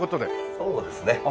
そうですね。